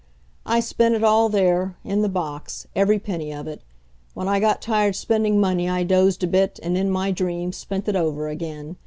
I spent it all there in the box every penny of it. When I got tired spending money I dozed a bit and, in my dream, spent it over again.